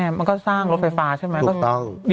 มันก็สร้างรถไฟฟ้าใช่ไหม